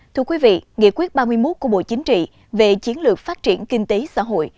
thưa quý vị nghị quyết ba mươi một của bộ chính trị về chiến lược phát triển kinh tế xã hội